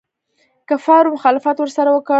کفارو مخالفت ورسره وکړ.